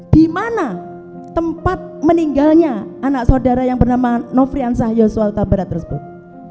dimana tempat meninggalnya anak saudara yang bernama nofrian sahyoswarta barat tersebut